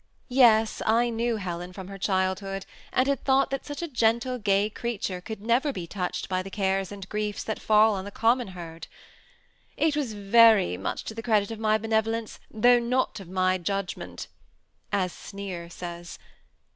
Yes, I knew Helen from her childhood, and had thought that such a gentle, gay creature could never be touched by the cares and griefs that fall on the common herd. *' It was very much to the credit of my benevolence, though not of my judgment," as Sneer says.